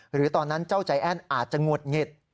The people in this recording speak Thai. หรือตอนนั้นเจ้าใจแอ้นอาจจะหงุดหงิด